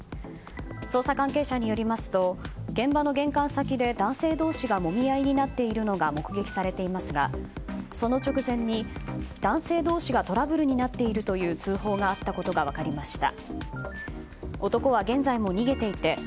捜査関係者によりますと現場の玄関先で男性同士がもみ合いになっているのが目撃されていますがその直前に男性同士がトラブルになっているという通報があったことが分かりました。